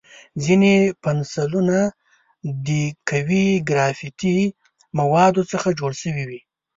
ځینې پنسلونه د قوي ګرافیتي موادو څخه جوړ شوي وي.